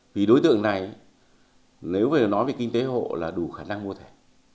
vì đối tượng này nếu về nói về kinh tế hộ là đủ khả năng mua thẻ